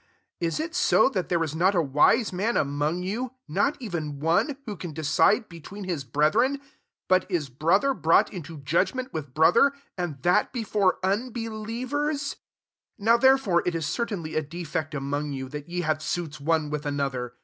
Is it so, that there is not a wise man among you, [not even one,] who can decide between his brethren? 6 but is brother brought into judgment with brother, and that before unbe lievers ? 7 Now therefore it is certainly a defect among you, that ye have suits one with another.